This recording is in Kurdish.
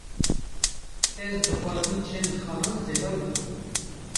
Ez dixwazim çend xalan zelal bikim